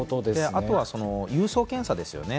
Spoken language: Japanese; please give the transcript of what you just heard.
あとは郵送検査ですね。